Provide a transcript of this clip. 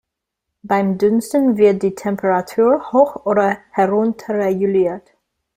Beim Dünsten wird die Temperatur hoch oder herunterreguliert.